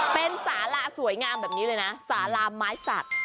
เป็นสาราสวยงามแบบนี้เลยนะสาลาไม้สัก